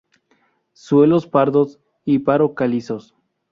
Suelos pardos y paro-calizos.